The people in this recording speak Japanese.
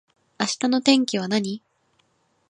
明日の天気は何